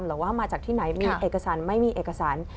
หรือว่ามาจากที่ไหนมีเอกสารไม่มีเอกสาร